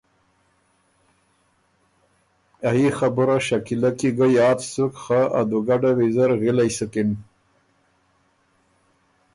ا يي خبُره شکیلۀ کی ګه یاد سُک خه ا دُوګډه ویزر غِلئ سُکِن